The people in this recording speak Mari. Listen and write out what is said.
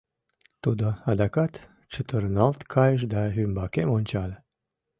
Тудо адакат чытырналт кайыш да ӱмбакем ончале.